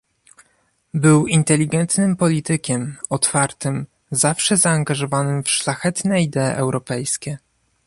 Był inteligentnym politykiem, otwartym, zawsze zaangażowanym w szlachetne idee europejskie